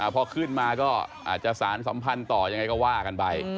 พอขึ้นมาก็อาจจะสารสัมพันธ์ต่อยังไงก็ว่ากันไป